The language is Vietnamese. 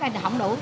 thì không đủ